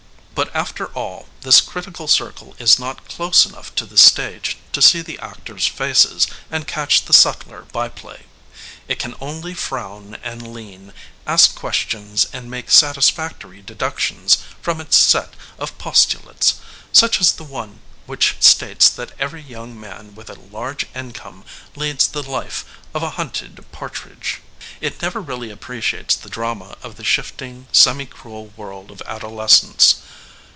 But, after all, this critical circle is not close enough to the stage to see the actors' faces and catch the subtler byplay. It can only frown and lean, ask questions and make satisfactory deductions from its set of postulates, such as the one which states that every young man with a large income leads the life of a hunted partridge. It never really appreciates the drama of the shifting, semi cruel world of adolescence.